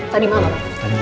tadi mau tante